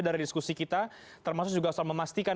dari diskusi kita termasuk juga soal memastikan